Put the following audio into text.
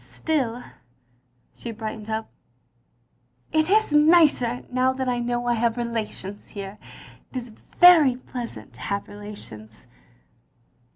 "Still —" she bright ened up again. " It is nicer now that I know I have relations here. It is very pleasant to have relations.